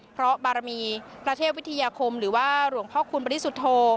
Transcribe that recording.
เพราะบารมีพระเทพวิทยาคมหรือว่าหลวงพ่อคุณบริสุทธโธ